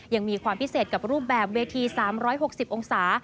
ยังมีความพิเศษกับรูปแบบเวที๓๖๐องศา